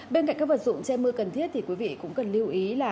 bên cạnh các vật dụng che mưa cần thiết thì quý vị cũng cần lưu ý là